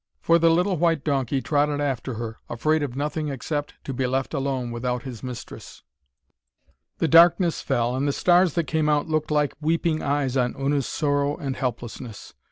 For the little white donkey trotted after her, afraid of nothing except to be left alone without his mistress. The darkness fell, and the stars that came out looked down like weeping eyes on Una's sorrow and helplessness.